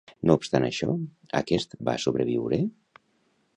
No obstant això, aquest va sobreviure?